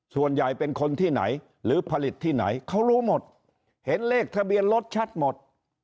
ส่วนใหญ่เป็นคนที่ไหนหรือผลิตที่ไหนเขารู้หมดเห็นเลขทะเบียนรถชัดหมด